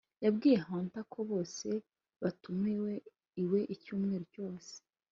yabwiye hunter ko bose batumiwe iwe icyumweru cyose.